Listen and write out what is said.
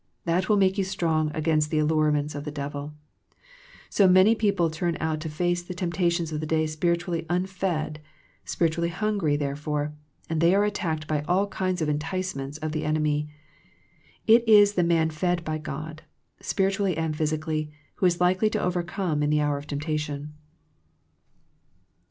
That will make you strong against the allurements of the devil. So many people turn out to face the temptations of the day spiritually unfed, spiritually hungry therefore, and they are attacked by all kinds of enticements of the enemy. It is the man fed by God, spiritually and physically who is likely to overcome in the hour of temptation.